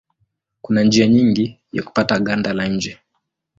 Kuna njia nyingi za kupata ganda la nje.